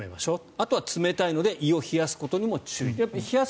あとは冷たいので胃を冷やすことに注意。